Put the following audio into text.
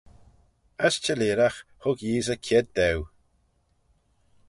As çhelleeragh hug Yeesey kied daue.